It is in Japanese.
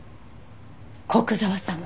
古久沢さん。